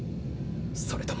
それとも。